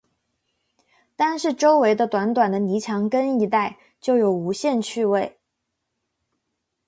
单是周围的短短的泥墙根一带，就有无限趣味